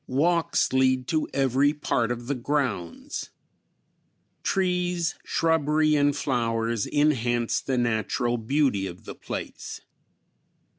Walks lead to every part of the grounds. Trees, shrubbery and flowers enhance the natural beauty of the place.